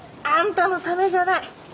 あんたのためじゃない。